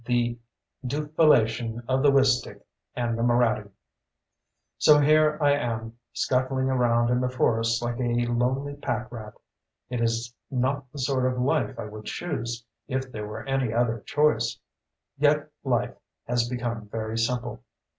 The dufellation of the Wistick and the Moraddy. So here I am, scuttling around in the forests like a lonely pack rat. It is not the sort of life I would choose if there were any other choice. Yet life has become very simple.